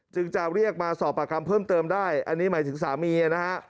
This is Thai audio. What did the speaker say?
จึงจะเรียกมาสอบปากคำเพิ่มเติมได้อันนี้หมายถึงสามีนะฮะ